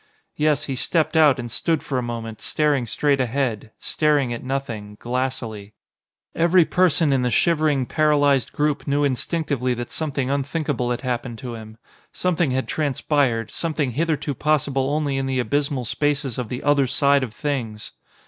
Yes, he stepped out and stood for a moment staring straight ahead, staring at nothing, glassily. Every person in the shivering, paralysed group knew instinctively that something unthinkable had happened to him. Something had transpired, something hitherto possible only in the abysmal spaces of the Other Side of Things.